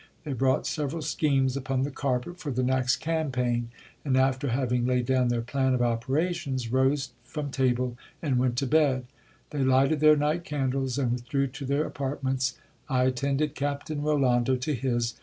They brought several schemes upon the carpet for the next campaign ; and after having laid down their plan of operations, rose from table and went to bed. They lighted their night candles, and withdrew to their apartments. I attended Captain Rolando to his.